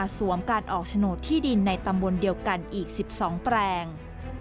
มาสวมการออกโฉนที่ดินในตำบลเดียวกันอีกสิบสองแปรง